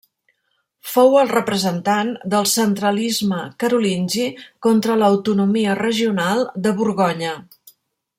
Fou el representant del centralisme carolingi contra l'autonomia regional de Borgonya.